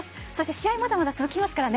試合、まだまだ続きますからね。